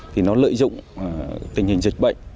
thì nó lợi dụng tình hình dịch bệnh